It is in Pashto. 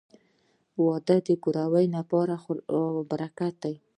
• واده د کورنۍ لپاره برکت دی.